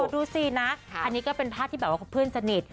ดูสินะอันนี้ก็เป็นภาพที่แบบว่าเพื่อนสนิท